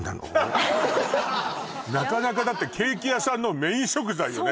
なかなかだってケーキ屋さんのメイン食材よね